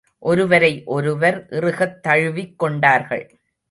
ஒருவரை ஒருவர் இறுகத் தழுவிக் கொண்டார்கள்.